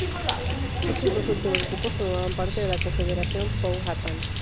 Estos dos últimos grupos formaban parte de la confederación Powhatan.